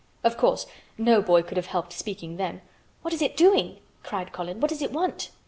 Of course no boy could have helped speaking then. "What is it doing?" cried Colin. "What does it want?"